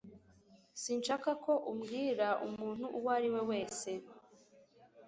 Sinshaka ko ubwira umuntu uwo ari we wese